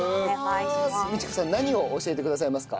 道子さん何を教えてくださいますか？